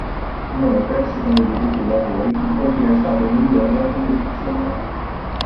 Inoltre, secondo gli addetti ai lavori, il portiere è stato il migliore della competizione.